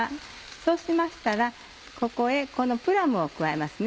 そうしましたらここへこのプラムを加えますね。